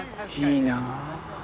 いいなぁ。